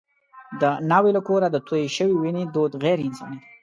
د ناوې له کوره د تویې شوې وینې دود غیر انساني دی.